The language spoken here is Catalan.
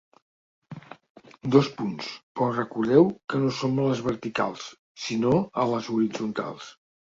Dos punts, però recordeu que no som a les verticals sinó a les horitzontals.